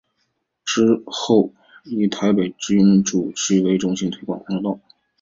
之后以台北民生社区为中心推广空手道。